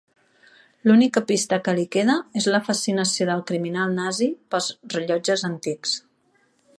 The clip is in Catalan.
L’única pista que li queda és la fascinació del criminal nazi pels rellotges antics.